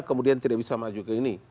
kemudian tidak bisa maju ke ini